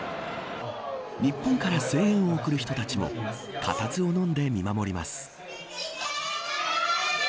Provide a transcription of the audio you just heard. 日本から声援を送る人たちも固唾をのんで見守ります。